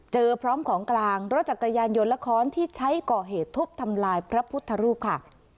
พร้อมของกลางรถจักรยานยนต์และค้อนที่ใช้ก่อเหตุทุบทำลายพระพุทธรูปค่ะ